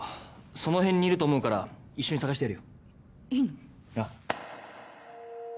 そのへんにいると思うから一緒に捜してやるよ。